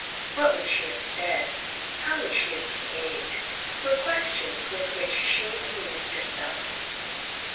"What would she have said? how would she have behaved?" were the questions with which she amused herself.